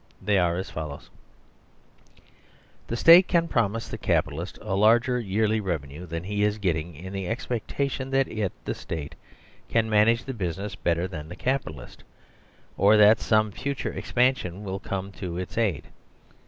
They are as follows : (i) The State can promise the Capitalist a larger yearly revenue than he is getting in the expectation that it, the State, can manage the business better than the Capitalist, or that some future expansion will come to its aid.